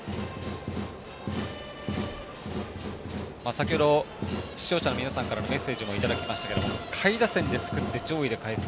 先ほど、視聴者の皆さんからのメッセージもいただきましたが下位打線で作って上位でかえす。